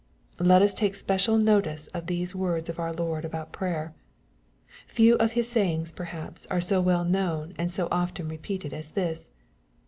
Let us take special notice of these words of our Lord about yrayer. Few of His sayings, perhaps, are so well known and so often repeated as this.